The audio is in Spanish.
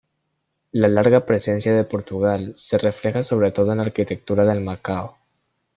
La larga presencia de Portugal se refleja sobre todo en la arquitectura de Macao.